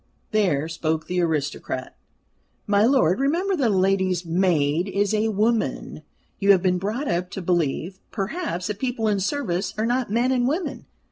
"There spoke the aristocrat. My lord, remember that a lady's maid is a woman. You have been brought up to believe, perhaps, that people in service are not men and women.